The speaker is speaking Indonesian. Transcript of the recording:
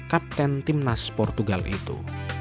kapten timnas portugal itu